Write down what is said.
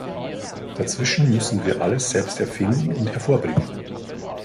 Dazwischen müssen wir alles selbst erfinden und hervorbringen.